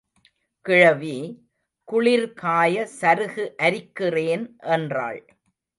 கிழவி, குளிர் காய சருகு அரிக்கிறேன் என்றாள்.